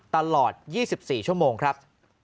ตลอด๒๔ชั่วโมงครับ